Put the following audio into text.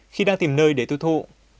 khi đang tìm nơi để tiêu thụ